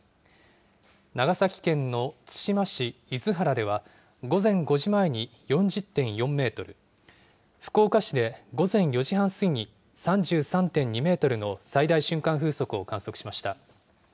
長崎県の対馬市厳原では午前５時前に４０．４メートル、福岡市で午前４時半過ぎに３３．２メートルの最大瞬間風速を観測しました。